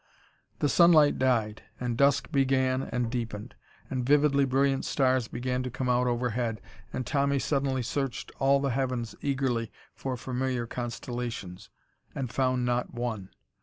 The sunlight died, and dusk began and deepened, and vividly brilliant stars began to come out overhead, and Tommy suddenly searched the heavens eagerly for familiar constellations. And found not one.